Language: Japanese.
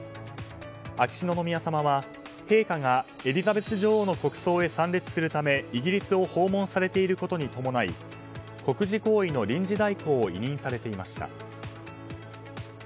秋篠宮さまは陛下がエリザベス女王の国葬に参列するためイギリスを訪問されていることに伴い国事行為の臨時代行を委任されていました。